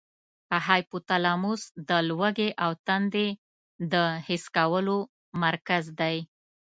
هایپو تلاموس د لوږې او تندې د حس کولو مرکز دی.